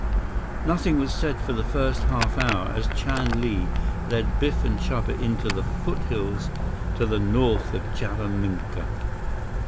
145 Nothing was said for the first half hour as Chan Li led Biff and Chuba into the foothills to the north of Jaraminka.